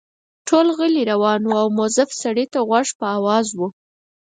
ټول غلي روان وو او مؤظف سړي ته غوږ په آواز وو.